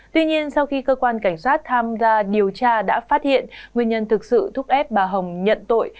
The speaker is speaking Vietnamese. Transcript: tuy nhiên sau khi cơ quan cảnh sát tham gia điều tra đã phát hiện nguyên nhân thực sự thúc ép bà hồng nhận tội